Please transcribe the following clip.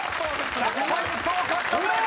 １００ポイント獲得です］